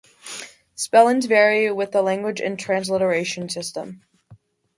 Spellings vary with the language and transliteration system.